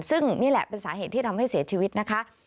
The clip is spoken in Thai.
ซึ่งนี่แหละเป็นสาเหตุที่ทำให้เสียชีวิตนะคะ